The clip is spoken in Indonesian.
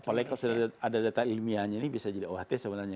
apalagi kalau sudah ada data ilmiahnya ini bisa jadi oht sebenarnya